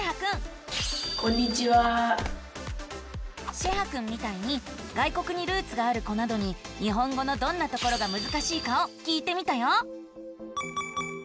シェハくんみたいに外国にルーツがある子などに日本語のどんなところがむずかしいかを聞いてみたよ。